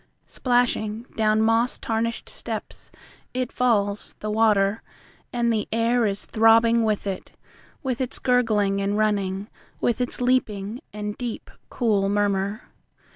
Splashing down moss tarnished steps It falls, the water; And the air is throbbing with it. With its gurgling and running. With its leaping, and deep, cool murmur.